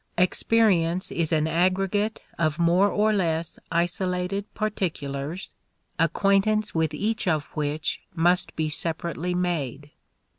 Experience is an aggregate of more or less isolated particulars, acquaintance with each of which must be separately made.